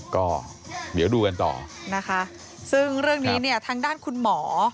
ก็เดี๋ยวดูกันต่อนะคะซึ่งเรื่องนี้เนี่ยทางด้านคุณหมอ